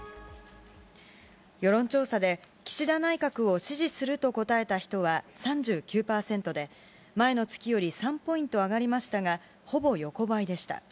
世論調査で、岸田内閣を支持すると答えた人は３９％で、前の月より３ポイント上がりましたが、ほぼ横ばいでした。